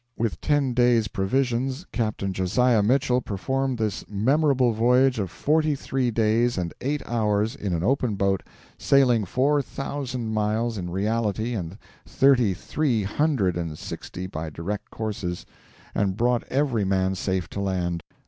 With ten days' provisions Captain Josiah Mitchell performed this memorable voyage of forty three days and eight hours in an open boat, sailing four thousand miles in reality and thirty three hundred and sixty by direct courses, and brought every man safe to land.